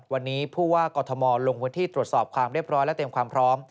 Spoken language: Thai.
วันนี้ผู้ว่ากอทมลงพื้นที่ตรวจสอบความเรียบร้อยและเตรียมความพร้อม